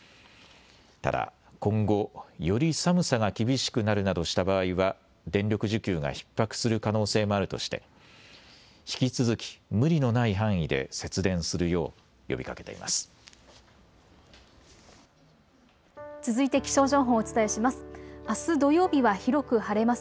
ただ、今後より寒さが厳しくなるなどした場合は電力需給がひっ迫する可能性もあるとして引き続き無理のない範囲で節電するよう呼びかけています。